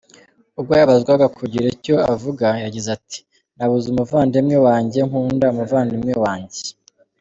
Ubwo yabazwaga kugira icyo avuga yagize ati “Nabuze umuvandimwe wanjye; nkunda umuvandimwe wanjye.